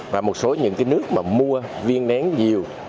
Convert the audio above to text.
và một số nước mua viên nén nhiều